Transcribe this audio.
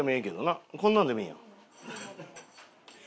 こんなんでもいいやん。